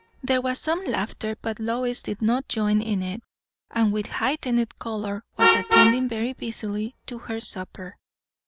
There was some laughter, but Lois did not join in it, and with heightened colour was attending very busily to her supper.